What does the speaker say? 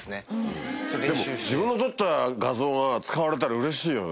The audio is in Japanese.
自分の撮った画像が使われたらうれしいよね。